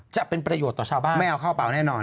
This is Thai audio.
จะเป็นประโยชน์ต่อชาวบ้านไม่เอาเข้าเปล่าแน่นอน